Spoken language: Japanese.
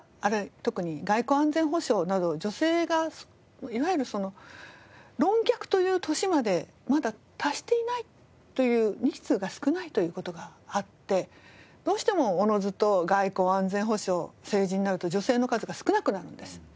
特に外交・安全保障など女性がいわゆる論客という年までまだ達していないという日数が少ないという事があってどうしてもおのずと外交・安全保障政治になると女性の数が少なくなるんです。